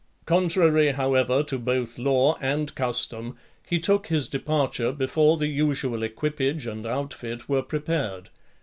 Contrary, however, to both law and custom, he took his departure before the usual equipage and outfit were prepared.